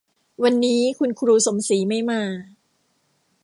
วันนี้คุณครูสมศรีไม่มา